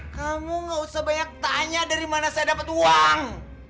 kamu gak usah banyak tanya dari mana saya dapat uang